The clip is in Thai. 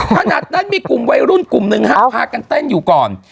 ขนาดนั้นมีกลุ่มวัยรุ่นกลุ่มหนึ่งฮะพากันเต้นอยู่ก่อน